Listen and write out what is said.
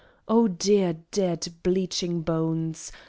O dear, dead, bleaching bones!